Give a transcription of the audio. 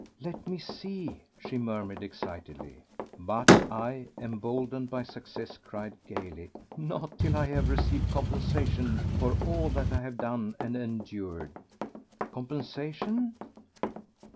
"Let me see," she murmured excitedly. But I, emboldened by success, cried gaily: "Not till I have received compensation for all that I have done and endured." "Compensation?"